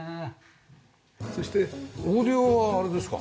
そしてオーディオはあれですか？